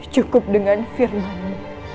cukup dengan firmanmu